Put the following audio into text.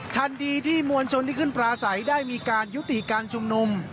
ทันทีที่มวลชนที่ขึ้นปลาใสได้มีการยุติการชุมนุม